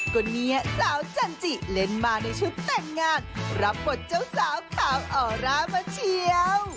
ก็เนี่ยสาวจันจิเล่นมาในชุดแต่งงานรับบทเจ้าสาวสาวออร่ามาเชียว